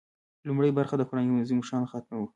لومړۍ برخه د قران عظیم الشان ختم و.